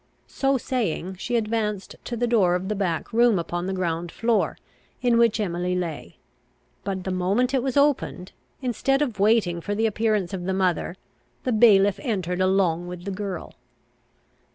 So saying, she advanced to the door of the back room upon the ground floor, in which Emily lay; but the moment it was opened, instead of waiting for the appearance of the mother, the bailiff entered along with the girl.